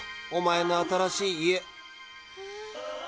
おまえの新しい家。